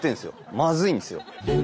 まずいんですよ。